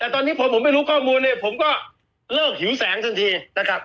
แต่ตอนนี้พอผมไม่รู้ข้อมูลเนี่ยผมก็เลิกหิวแสงทันทีนะครับ